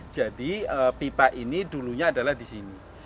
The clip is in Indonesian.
jadi pipa ini dulunya adalah di sini